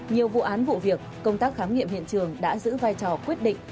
nhiều vụ án vụ việc công tác khám nghiệm hiện trường đã giữ vai trò quyết định